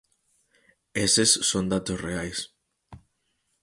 Eses son datos reais.